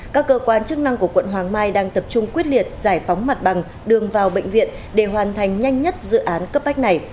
các cơ quan chức năng của quận hoàng mai đang tập trung quyết liệt giải phóng mặt bằng đường vào bệnh viện để hoàn thành nhanh nhất dự án cấp bách này